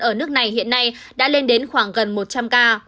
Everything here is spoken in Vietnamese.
ở nước này hiện nay đã lên đến khoảng gần một trăm linh ca